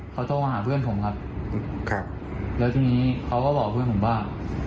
เขาโทรมาหาเพื่อนผมครับครับแล้วทีนี้เขาก็บอกเพื่อนผมว่า